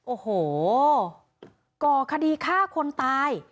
โอ้โหก่อคดีฆ่าคนตาย